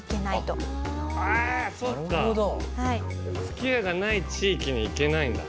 すき家がない地域に行けないんだ。